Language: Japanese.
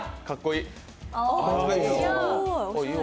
かっこいい。